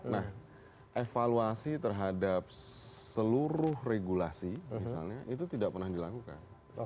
nah evaluasi terhadap seluruh regulasi misalnya itu tidak pernah dilakukan